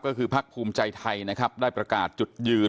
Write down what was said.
ก็คือพักภูมิใจไทยนะครับได้ประกาศจุดยืน